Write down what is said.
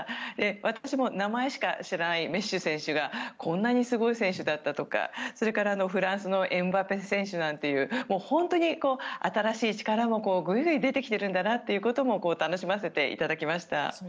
私も名前しか知らないメッシ選手がこんなにすごい選手だったとかそれから、フランスのエムバペ選手なんていう本当に新しい力もグイグイ出てきているんだなということも楽しませていただきました。